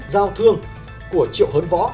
giao thương của triệu hớn võ